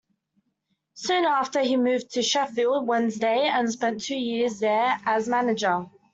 Soon after, he moved to Sheffield Wednesday and spent two years there as manager.